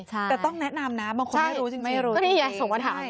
แต่ต้องแนะนำนะบางคนไม่รู้จริง